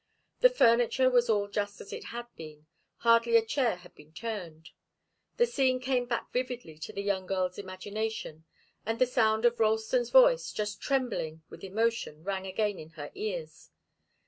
The furniture was all just as it had been hardly a chair had been turned. The scene came back vividly to the young girl's imagination, and the sound of Ralston's voice, just trembling with emotion, rang again in her ears.